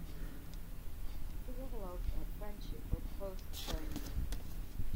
He developed a friendship with host Joyner.